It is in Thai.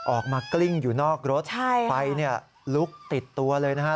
ออกมากริ้งอยู่นอกรถไฟลุกติดตัวเลยนะครับ